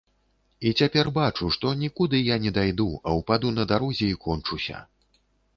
І цяпер бачу, што нікуды я не дайду, а ўпаду на дарозе і кончуся.